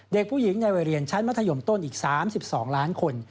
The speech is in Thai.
เด็กผู้หญิงในวัยเรียนชั้นมัธยมต้นอีก๓๒ล้านคน